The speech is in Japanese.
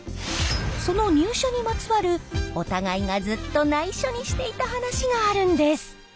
その入社にまつわるお互いがずっとないしょにしていた話があるんです。